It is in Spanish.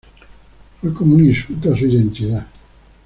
Fue como un insulto a su identidad.